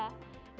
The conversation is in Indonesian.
jadi gak bisa